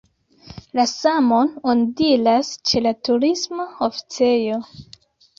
La samon oni diras ĉe la Turisma Oficejo.